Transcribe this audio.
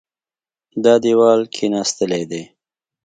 دا دېوال کېناستلی دی.